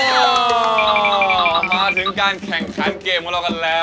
มาถึงการแข่งขันเกมของเรากันแล้ว